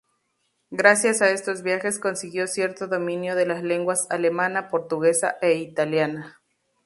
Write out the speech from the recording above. Gracias a estos viajes consiguió cierto dominio de las lenguas alemana, portuguesa e italiana.